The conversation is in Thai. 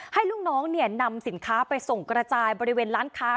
ให้ลูกน้องนำสินค้าไปส่งกระจายบริเวณร้านค้า